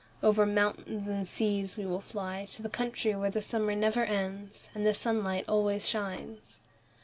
Over mountains and seas we will fly to the country where the summer never ends, and the sunlight always shines."